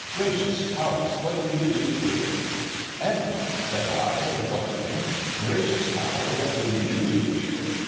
' Gracious powers, what do you do here ?'' Edwin,' said I, recoiling, 'gracious powers, what do rcw do here?'